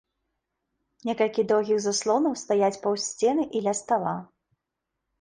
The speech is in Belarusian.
Некалькі доўгіх заслонаў стаяць паўз сцены і ля стала.